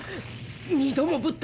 二度もぶった！